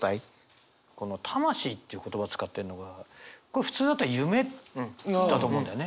この「魂」っていう言葉使ってるのがこれ普通だったら「夢」だと思うんだよね。